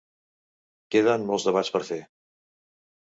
Queden molts debats per fer.